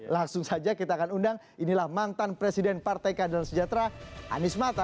langsung saja kita akan undang inilah mantan presiden partai keadilan sejahtera anies mata